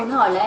em ở hà nội ạ